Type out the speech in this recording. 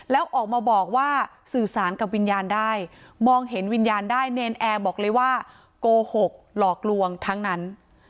แล้วออกมาบอกว่าสื่อสารกับวิญญาณได้มองเห็นวิญญาณได้เนรนแอร์บอกเลยว่าโกหกหลอกลวงทั้งนั้น